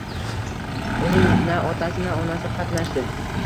Uning na otasi, na onasi qatnashdi